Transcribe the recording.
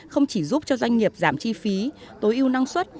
không chỉ giúp cho doanh nghiệp giảm chi phí tối ưu năng suất